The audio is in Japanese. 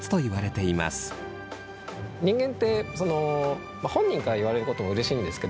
人間ってその本人から言われることもうれしいんですけども